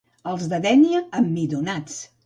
Els de Dénia, emmidonats.